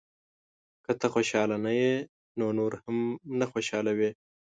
• که ته خوشحاله نه یې، نو نور هم نه خوشحالوې.